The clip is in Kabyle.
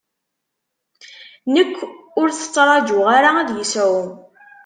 Nekk ur t-ttraǧuɣ ara ad yesɛu.